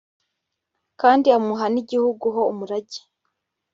kandi amuha n'igihugu ho umurage